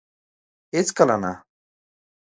هيڅ کله نه